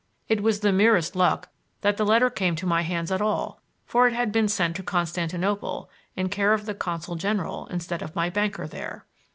It was the merest luck that the letter came to my hands at all, for it had been sent to Constantinople, in care of the consul general instead of my banker there.